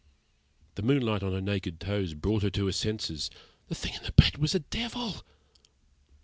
The moonlight on her naked toes brought her to her senses the thing in the bed was a devil!